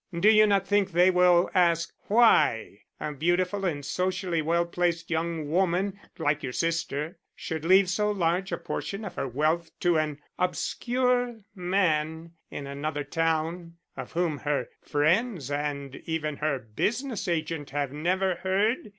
Do you not think they will ask why a beautiful and socially well placed young woman like your sister should leave so large a portion of her wealth to an obscure man in another town, of whom her friends and even her business agent have never heard?